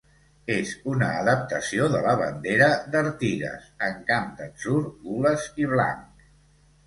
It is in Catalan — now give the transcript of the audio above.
És una adaptació de la bandera d'Artigas en camp d'atzur, gules i blanc.